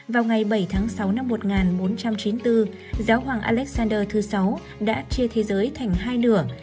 vào ngày bảy tháng sáu năm một nghìn bốn trăm chín mươi bốn giáo hoàng alexander thứ sáu đã chia thế giới thành hai nửa